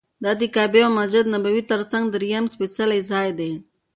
دا د کعبې او مسجد نبوي تر څنګ درېیم سپېڅلی ځای دی.